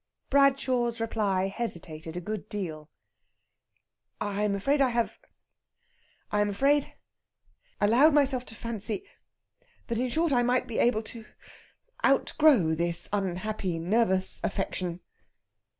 Bradshaw's reply hesitated a good deal. "I am afraid I have I am afraid allowed myself to fancy that, in short, I might be able to outgrow this unhappy nervous affection."